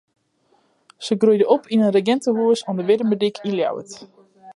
Se groeide op yn in regintehûs oan de Wurdumerdyk yn Ljouwert.